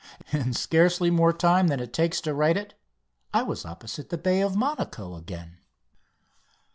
In scarcely more time than it takes to write it I was opposite the bay of Monaco again.